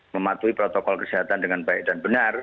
mematuhi protokol kesehatan dengan baik dan benar